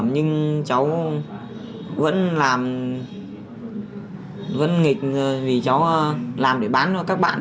nhưng cháu vẫn nghịch vì cháu làm để bán cho các bạn